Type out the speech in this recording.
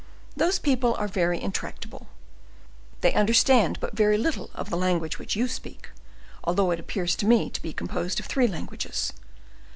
Those people are very intractable; they understand but very little of the language which you speak, although it appears to me to be composed of three languages.